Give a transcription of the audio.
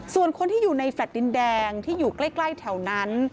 ส่วนคนที่อยู่ในแฟลต์ดินแดงที่อยู่ใกล้แถวนั้น